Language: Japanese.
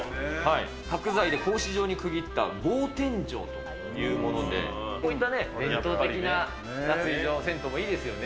角材で格子状に区切った、格天井というもので、こういった伝統的な脱衣場、銭湯もいいですよね。